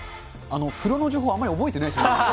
風呂の情報、あんまり覚えてないです。